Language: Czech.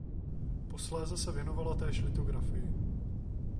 Posléze se věnovala též litografii.